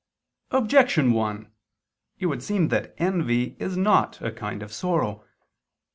Objection 1: It would seem that envy is not a kind of sorrow.